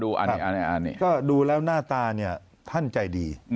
ดูรู้แล้วหน้าตาเนี่ยท่านใจดี